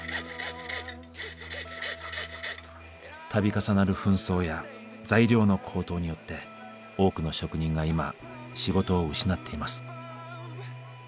度重なる紛争や材料の高騰によって多くの職人が今仕事を失っています。